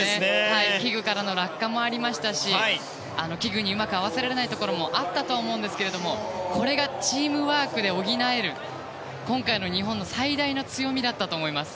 器具からの落下もありましたし器具にうまく合わせられないところもあったとは思うんですけれどもこれがチームワークで補える今回の日本の最大の強みだったと思います。